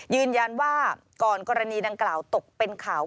ยืนยันว่าก่อนกรณีดังกล่าวตกเป็นข่าว